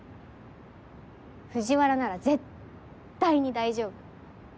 藤原なら絶対に大丈夫。